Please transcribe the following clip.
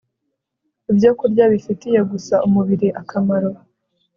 ibyokurya bifitiye gusa umubiri akamaro